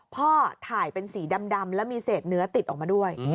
พ่อถ่ายเป็นสีดำแล้วมีเศษเนื้อติดออกมาด้วย